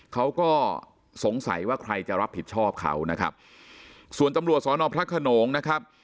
เขาก็สงสัยว่าใครจะรับผิดชอบเขานะครับส่วนตำรวจสอนอพระขนงนะครับ